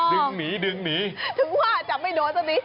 ดึงหมีดึงหมีถึงว่าจับไม่โดนสักนี้